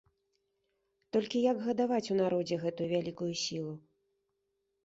Толькі як гадаваць у народзе гэтую вялікую сілу?